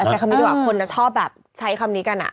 ใช้คำนี้ดีกว่าคนจะชอบแบบใช้คำนี้กัน